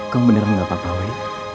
kamu beneran gak apa apa wai